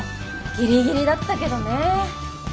ギリギリだったけどね。